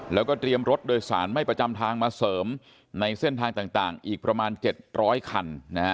แล้วก็เตรียมรถโดยสารไม่ประจำทางมาเสริมในเส้นทางต่างอีกประมาณ๗๐๐คัน